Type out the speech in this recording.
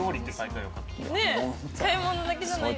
買い物だけじゃないですか。